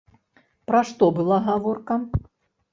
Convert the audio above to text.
Пра што была гаворка?